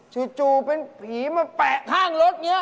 ชิ้นจูเป็นผีมาแปะข้างรถนี่